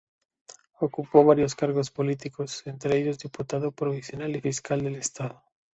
Ocupó varios cargos políticos, entre ellos diputado provincial y fiscal del estado.